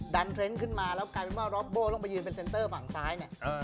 เทรนด์ขึ้นมาแล้วกลายเป็นว่ารอบโบ้ต้องไปยืนเป็นเซ็นเตอร์ฝั่งซ้ายเนี่ย